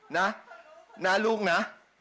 นะลูกนะ